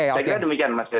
sehingga demikian mas yazi